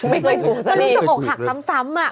ไม่ค่อยคุยมันรู้สึกโอกหักซ้ำอะ